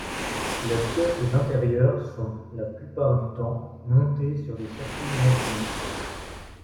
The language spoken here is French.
Les pièces intérieures sont, la plupart du temps, montées sur des circuits imprimés.